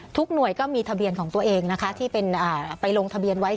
หน่วยก็มีทะเบียนของตัวเองนะคะที่เป็นไปลงทะเบียนไว้